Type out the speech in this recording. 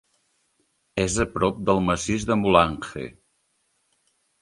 És a prop del massís de Mulanje.